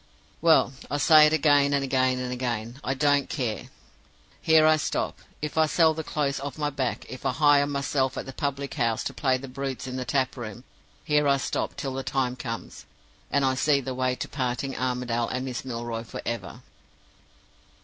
Well! I say it again and again and again I don't care! Here I stop, if I sell the clothes off my back, if I hire myself at the public house to play to the brutes in the tap room; here I stop till the time comes, and I see the way to parting Armadale and Miss Milroy forever!"